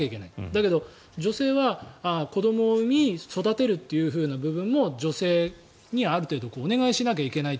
だけど、女性は子どもを産み育てるという部分も女性にある程度お願いしなきゃいけない。